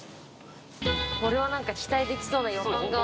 これはなんか期待できそうな予感が。